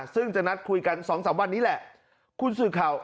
ซึ่งจะนัดคุยกัน๒๓วันนี้แหละ